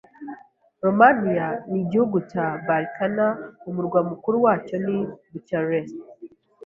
Romania ni igihugu cya Balkan. Umurwa mukuru wacyo ni Bucharest.